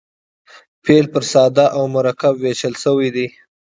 فعل پر ساده او مرکب وېشل سوی دئ.